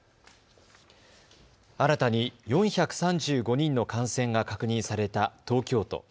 新たに４３５人の感染が確認された東京都。